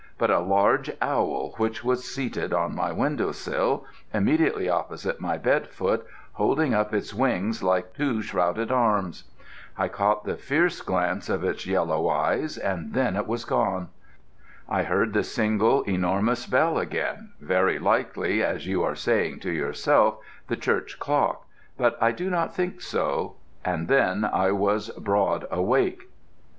but a large owl, which was seated on my window sill immediately opposite my bed foot, holding up its wings like two shrouded arms. I caught the fierce glance of its yellow eyes, and then it was gone. I heard the single enormous bell again very likely, as you are saying to yourself, the church clock; but I do not think so and then I was broad awake.